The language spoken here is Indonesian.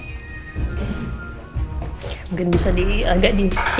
mungkin bisa diagak di